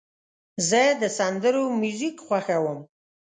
زه د سندرو میوزیک خوښوم.